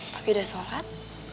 tapi udah sholat